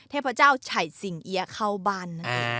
เทพเจ้าฉ่ายสิงเอียเข้าบ้าน